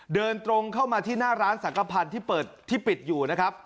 เดินตรงเข้ามาที่หน้าร้านสังกภัณฑ์ที่เปิดที่ปิดอยู่นะครับ